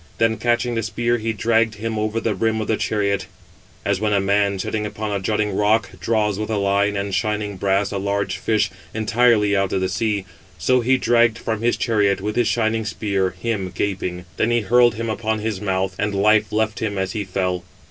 Then catching the spear, he dragged him over the rim [of the chariot]; as when a man, sitting upon a jutting rock, [draws] with a line and shining brass 526 a large fish entirely out of the sea; so he dragged from his chariot with his shining spear, him gaping. Then he hurled him upon his mouth, and life left him as he fell.